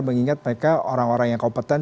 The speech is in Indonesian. mengingat mereka orang orang yang kompeten